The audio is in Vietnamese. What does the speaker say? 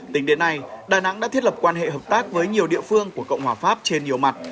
tính đến nay đà nẵng đã thiết lập quan hệ hợp tác với nhiều địa phương của cộng hòa pháp trên nhiều mặt